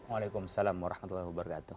waalaikumsalam warahmatullahi wabarakatuh